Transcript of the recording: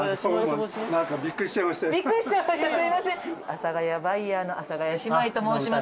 阿佐ヶ谷バイヤーの阿佐ヶ谷姉妹と申します。